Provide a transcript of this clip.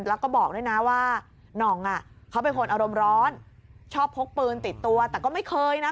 แล้วก็บอกด้วยนะว่าน่องอ่ะเขาเป็นคนอารมณ์ร้อนชอบพกปืนติดตัวแต่ก็ไม่เคยนะ